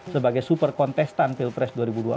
sebagai super kontestan pilpres dua ribu dua puluh